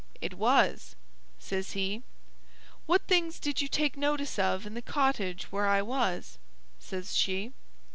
"It was," says he. "What things did you take notice of in the cottage where I was?" says she.